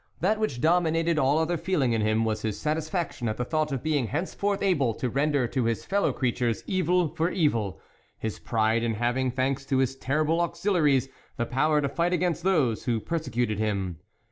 That which domin ated all other feeling in him was his satisfaction at the thought of being hence forth able to render to his fellow creatures evil for evil, his pride in having, thanks to his terrible auxiliaries, the power to fight against those who persecuted him.